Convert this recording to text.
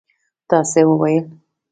تا څه وویل?